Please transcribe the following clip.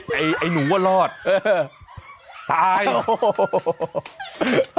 ตายแล้ว